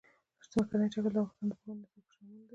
ځمکنی شکل د افغانستان د پوهنې نصاب کې شامل دي.